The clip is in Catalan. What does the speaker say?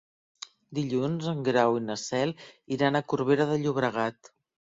Dilluns en Grau i na Cel iran a Corbera de Llobregat.